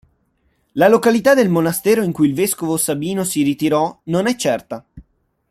La località del monastero in cui il vescovo Sabino si ritirò non è certa.